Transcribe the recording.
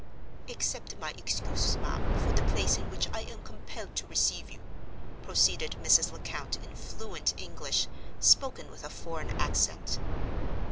"Accept my excuses, ma'am, for the place in which I am compelled to receive you," proceeded Mrs. Lecount in fluent English, spoken with a foreign accent.